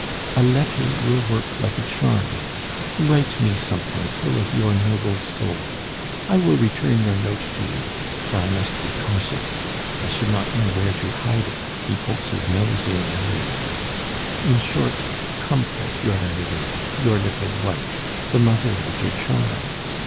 A letter will work like a charm; write me something full of your noble soul; I will return your note to you, for I must be cautious; I should not know where to hide it, he pokes his nose in everywhere. In short, comfort your Valerie, your little wife, the mother of your child.